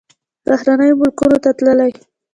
بهرنیو ملکونو ته تللی.